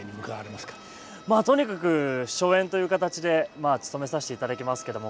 まあとにかく初演という形でつとめさせていただきますけども。